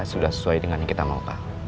sudah sesuai dengan yang kita melhoreskan